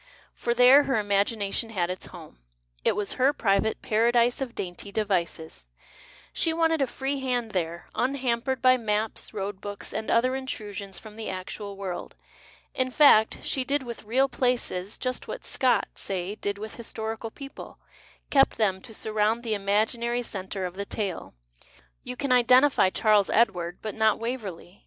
For there her imagination had its home, it was her private Paradise of Dainty Devices ; she wanted a free hand there, unhampered by maps, road books, and other intrusions from the actual world. In fact, she did with ical places just what Scott, say, did with historical people, kept them to surround the imaginary centre of the tale. You can " identify " Charles Edward, but not Waverlcy.